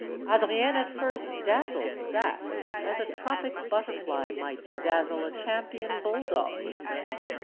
Adrienne at first dazzled Saxe as a tropic butterfly might dazzle a champion bulldog.